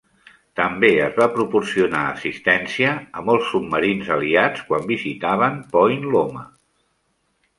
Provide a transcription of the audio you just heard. També es va proporcionar assistència a molts submarins aliats quan visitaven Point Loma.